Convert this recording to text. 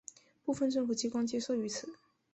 部分政府机关皆设于此。